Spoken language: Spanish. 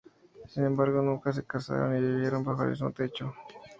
Sin embargo, nunca se casaron ni vivieron bajo el mismo techo.